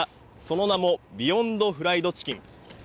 その名もビヨンド・フライド・チキン。